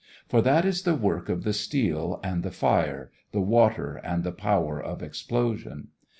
For that is the work of the steel and the fire, the water and the power of explosion.